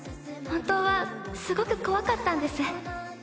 本当はすごく怖かったんです。